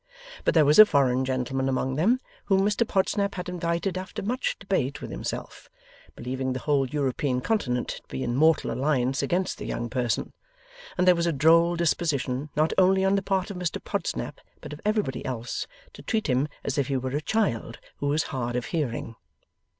But there was a foreign gentleman among them: whom Mr Podsnap had invited after much debate with himself believing the whole European continent to be in mortal alliance against the young person and there was a droll disposition, not only on the part of Mr Podsnap but of everybody else, to treat him as if he were a child who was hard of hearing.